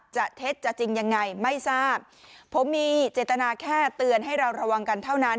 เท็จจะจริงยังไงไม่ทราบผมมีเจตนาแค่เตือนให้เราระวังกันเท่านั้น